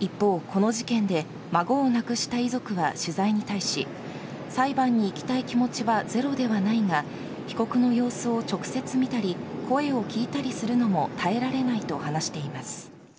一方、この事件で孫を亡くした遺族は取材に対し、裁判に行きたい気持ちはゼロではないが、被告の様子を直接見たり、声を聞いたりするのも耐えられないと話しています。